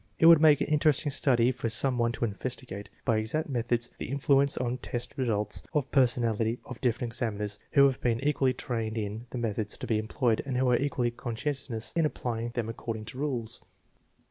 It would make an in teresting study for some one to investigate, by exact meth ods, the influence on test results of the personality of dif ferent examiners who have been equally trained in the methods to be employed and who are equally conscientious in applying them according to rules.